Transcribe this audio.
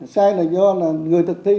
sai là do là người thực thi